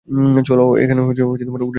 চলো, উড়ে যাও!